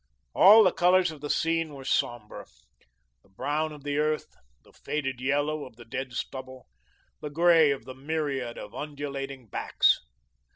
All the colours of the scene were sombre the brown of the earth, the faded yellow of the dead stubble, the grey of the myriad of undulating backs.